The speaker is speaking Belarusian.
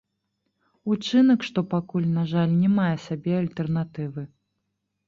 Учынак, што пакуль, на жаль, не мае сабе альтэрнатывы.